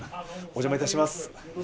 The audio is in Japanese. お邪魔いたします。